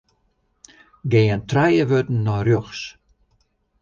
Gean trije wurden nei rjochts.